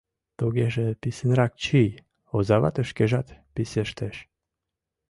— Тугеже писынрак чий! — озавате шкежат писештеш.